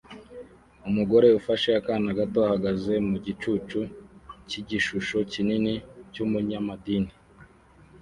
Umugore ufashe akana gato ahagaze mu gicucu cy’igishusho kinini cy’umunyamadini